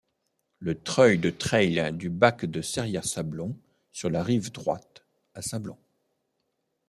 Le treuil de traille du bac de Serrières-Sablons, sur la rive droite, à Sablons.